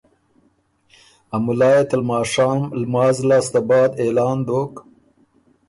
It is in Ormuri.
ا مُلا يې ته لماشام لماز لاسته بعد اعلان دوک